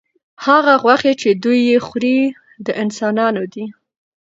هغه غوښې چې دوی یې خوري، د انسانانو دي.